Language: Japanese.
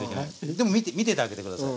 でも見ててあげて下さい。